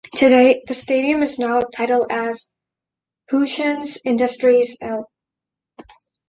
Today, the stadium is now titled as Houchens Industries-L.